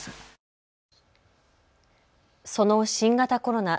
その新型コロナ。